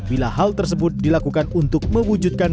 bila hal tersebut dilakukan untuk mewujudkan